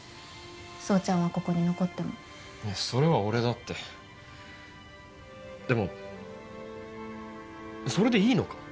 蒼ちゃんはここに残ってもいやそれは俺だってでもそれでいいのか！？